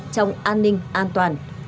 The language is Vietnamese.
trong an ninh an toàn